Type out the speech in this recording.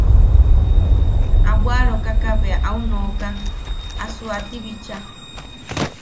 A bwaʼarokaka bea au nooka a suaati bicha.